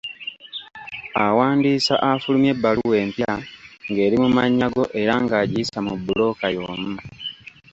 Awandiisa afulumya ebbaluwa empya ng'eri mu mannya go era ng'agiyisa mu bbulooka y'omu.